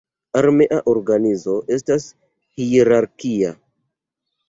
Armea organizo estas hierarkia.